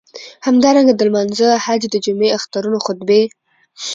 همدارنګه د لمانځه، حج، د جمعی، اخترونو خطبی.